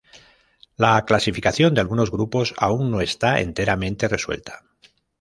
La clasificación de algunos grupos aun no está enteramente resuelta.